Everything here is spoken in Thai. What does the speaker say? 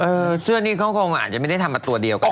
เสื้อนี้เขาคงอาจจะไม่ได้ทำมาตัวเดียวกัน